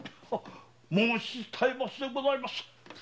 申し伝えますでございます。